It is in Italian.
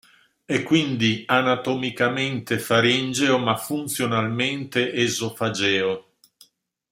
È quindi anatomicamente faringeo ma funzionalmente esofageo.